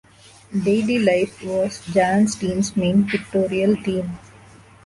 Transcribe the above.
Daily life was Jan Steen's main pictorial theme.